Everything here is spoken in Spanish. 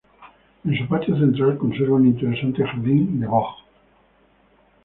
En su patio central conserva un interesante jardín de boj.